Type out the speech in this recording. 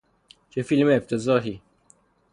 چه فیلم افتضاحی!